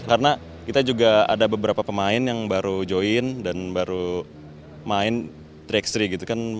karena kita juga ada beberapa pemain yang baru join dan baru main tiga x tiga gitu kan